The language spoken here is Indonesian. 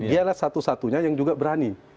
dia adalah satu satunya yang juga berani